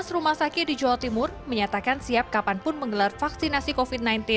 tujuh belas rumah sakit di jawa timur menyatakan siap kapanpun menggelar vaksinasi covid sembilan belas